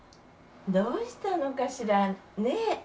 どうしたのかしらね？